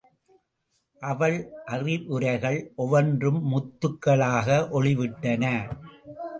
அவள் அறிவுரைகள் ஒவ்வொன்றும் முத்துகளாக ஒளி விட்டன.